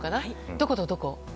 どことどこ？